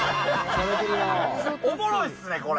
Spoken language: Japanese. おもろいっすね、これ。